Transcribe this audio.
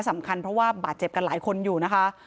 สำคัญเพราะว่าบาดเจ็บกันหลายคนอยู่นะคะ